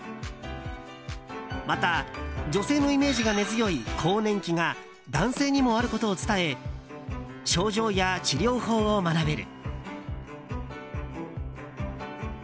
また、女性のイメージが根強い更年期が男性にもあることを伝え症状や治療法を学べる。